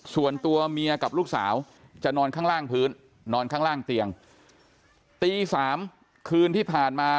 ส่วนตัวเมียกับลูกสาวจะนอนข้างล่างพื้นนอนข้างล่างเตียงตีสามคืนที่ผ่านมา